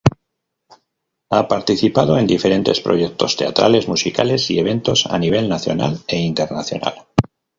Ha participado en diferentes proyectos teatrales, musicales y eventos a nivel nacional e internacional.